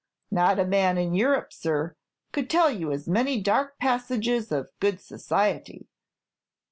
"Not a man in Europe, sir, could tell you as many dark passages of good society!